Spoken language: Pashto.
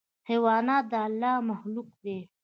حیوانات د الله مخلوق دي.